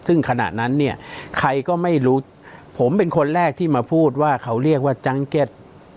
ซึ่งขณะนั้นเนี่ยใครก็ไม่รู้ผมเป็นคนแรกที่มาพูดว่าเขาเรียกว่าจังเก็ต